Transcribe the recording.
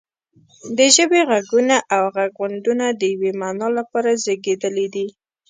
د ژبې غږونه او غږغونډونه د یوې معنا لپاره زیږیدلي دي